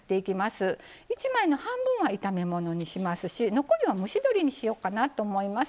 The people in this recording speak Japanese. １枚の半分は炒め物にしますし残りは蒸し鶏にしようかなと思います。